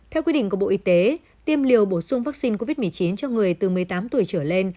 theo quy định của bộ y tế tiêm liều bổ sung vaccine covid một mươi chín cho người từ một mươi tám tuổi trở lên